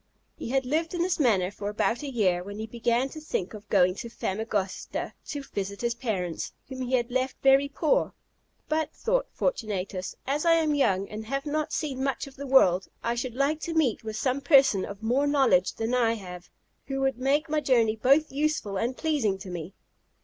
He had lived in this manner for about a year, when he began to think of going to Famagosta to visit his parents, whom he had left very poor. "But," thought Fortunatus, "as I am young and have not seen much of the world, I should like to meet with some person of more knowledge than I have, who would make my journey both useful and pleasing to me."